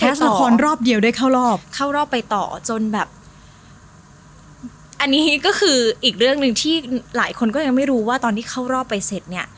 ละครรอบเดียวได้เข้ารอบเข้ารอบไปต่อจนแบบอันนี้ก็คืออีกเรื่องหนึ่งที่หลายคนก็ยังไม่รู้ว่าตอนที่เข้ารอบไปเสร็จเนี่ย